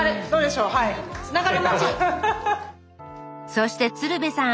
そして鶴瓶さん